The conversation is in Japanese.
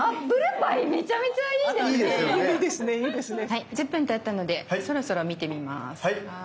はい１０分たったのでそろそろ見てみます。